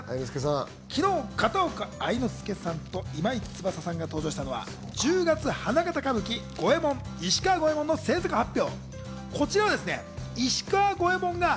昨日、片岡愛之助さんと今井翼さんが登場したのは十月花形歌舞伎『ＧＯＥＭＯＮ石川五右衛門』の製作発表。